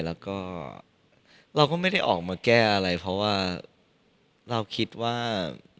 แล้วก็เราก็ไม่ได้ออกมาแก้อะไรเพราะว่าเราคิดว่า